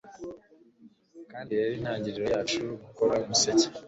Kandi rero intangiriro yacu yari gukoraho umuseke